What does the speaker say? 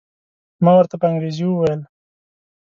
ما ورته په انګریزي وویل.